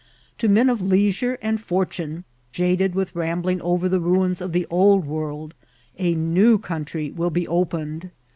To men of leisure and fortune, jaded with rambling over the rains of the Old World, a new country will be open ed.